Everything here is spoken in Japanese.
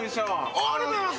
ありがとうございます。